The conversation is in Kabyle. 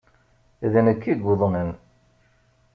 D nekk i yuḍnen.